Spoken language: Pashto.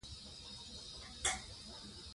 فرهنګ د انساني اړیکو بنسټ پیاوړی کوي.